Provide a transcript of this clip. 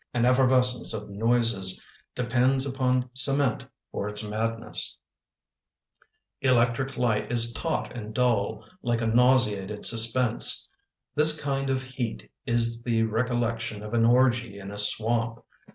An effervescence of noises Depends upon cement for its madness. [So] Electric light is taut and dull, Like a nauseated suspense. This kind of heat is the recollection Of an orgy in a swamp.